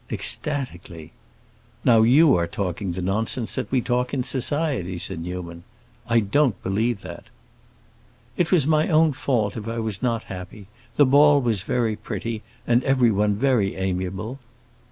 "Ecstatically!" "Now you are talking the nonsense that we talk in society," said Newman. "I don't believe that." "It was my own fault if I was not happy. The ball was very pretty, and everyone very amiable."